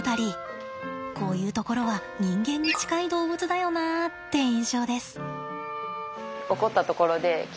こういうところは人間に近い動物だよなって印象です。